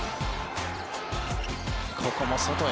ここも外へ。